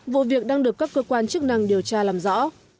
vụ việc đang được các cơ quan chức năng điều tra làm rõ